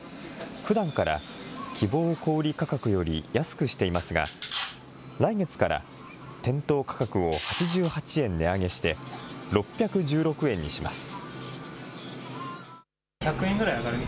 ふだんから希望小売り価格より安くしていますが、来月から店頭価格を８８円値上げして、６１６円にします。